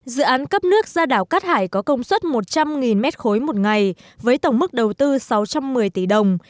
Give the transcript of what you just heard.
dự án cấp nước ra đảo cát hải có công suất một trăm linh m ba một ngày với tổng mức đầu tư sáu trăm một mươi tỷ đồng